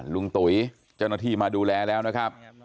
ตุ๋ยเจ้าหน้าที่มาดูแลแล้วนะครับ